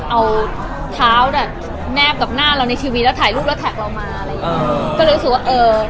เอาเท้าแนบกับหน้าเราในทีวีก็ถ่ายรูปแล้วแท็กเรามา